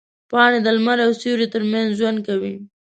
پاڼې د لمر او سیوري ترمنځ ژوند کوي.